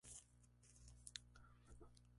Vigila lo que dices no vayas a mear fuera del tiesto